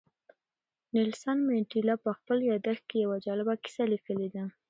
نیلسن منډېلا په خپل یاداښت کې یوه جالبه کیسه لیکلې ده.